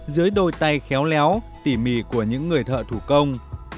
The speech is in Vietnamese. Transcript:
dưới đôi tay khéo léo tỉ mỉ của những người thợ thủ công